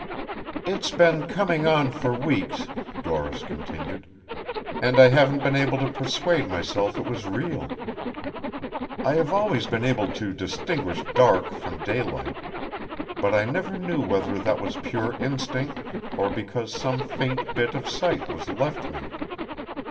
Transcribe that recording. "It's been coming on for weeks," Doris continued. "And I haven't been able to persuade myself it was real. I have always been able to distinguish dark from daylight. But I never knew whether that was pure instinct or because some faint bit of sight was left me.